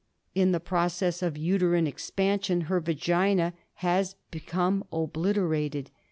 In the process of uterine expansion her vagina has become obliterated.